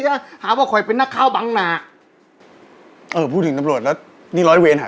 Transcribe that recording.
มันหาว่าไหวรักลอบเขาเมืองมาทำงานแบบผิดกฎหมาย